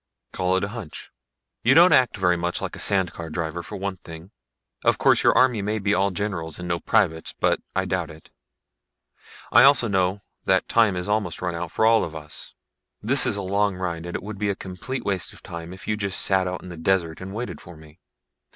"Call it a hunch. You don't act very much like a sand car driver, for one thing. Of course your army may be all generals and no privates but I doubt it. I also know that time has almost run out for all of us. This is a long ride and it would be a complete waste of time if you just sat out in the desert and waited for me.